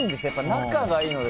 仲がいいので。